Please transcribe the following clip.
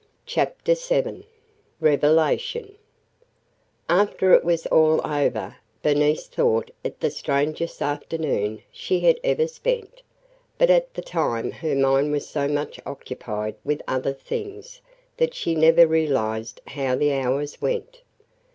CHAPTER VII REVELATION AFTER it was all over, Bernice thought it the strangest afternoon she had ever spent; but at the time her mind was so much occupied with other things that she never realized how the hours went.